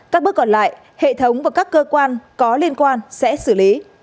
các bước còn lại hệ thống và các cơ quan có liên quan sẽ xử lý